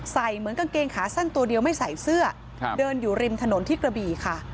เหมือนกางเกงขาสั้นตัวเดียวไม่ใส่เสื้อเดินอยู่ริมถนนที่กระบี่ค่ะ